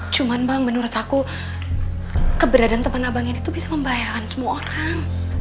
cuman bang menurut aku keberadaan teman abang ini itu bisa membahayakan semua orang